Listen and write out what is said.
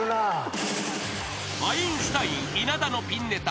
［アインシュタイン稲田のピンネタ。